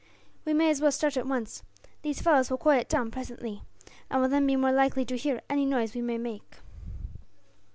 "We may as well start at once. These fellows will quieten down presently, and will then be more likely to hear any noise we may make."